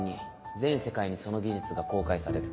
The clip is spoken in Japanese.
全世界にその技術が公開される。